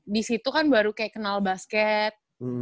di situ kan baru kayak kenal basket